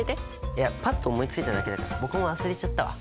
いやパッと思いついただけだから僕も忘れちゃったわ。